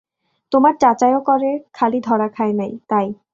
তোমার চাচাও করে, খালি ধরা খায় নায়, তাই।